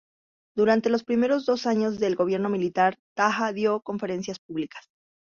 Durante los primeros dos años del gobierno militar, Taha dio conferencias públicas.